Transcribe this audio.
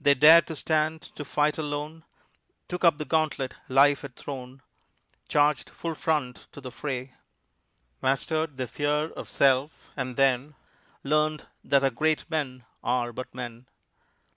They dared to stand to fight alone, Took up the gauntlet life had thrown, Charged full front to the fray, Mastered their fear of self, and then Learned that our great men are but men.